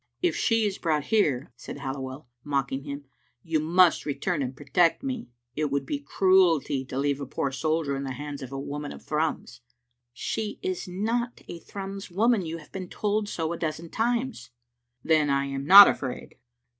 "If she is brought here," said Halliwell, mocking him, " you must return and protect me. It would be cruelty to leave a poor soldier in the hands of a woman of Thrums." " She is not a Thrums woman. You have been told so a dozen times." "Then I am not afraid."